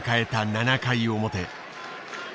７回表。